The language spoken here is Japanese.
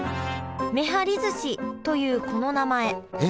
めはりずしというこの名前